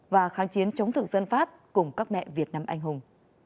và kháng chiến chống thực dân pháp cùng các mẹ việt nam anh hùng